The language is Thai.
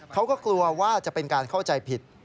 เขาก็กลัวว่าจะเป็นการเข้าใจผิด